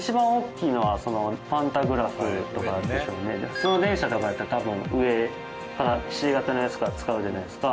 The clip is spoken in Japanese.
普通の電車とかやったら多分上からＣ形のやつから使うじゃないですか。